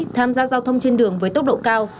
tham gia giao thông trên đường với tốc độ cao